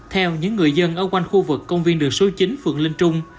theo những người dân ở quanh khu vực công viên đường số chín phượng linh trung